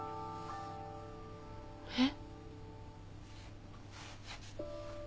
えっ？